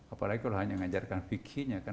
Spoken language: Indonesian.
apalagi kalau hanya mengajarkan fikihnya kan